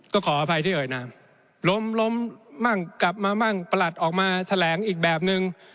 ก็ขออภัยที่เอ่ยนามล้มล้มมั่งกลับมามั่งประหลัดออกมาแถลงอีกแบบนึง